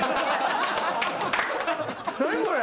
何これ。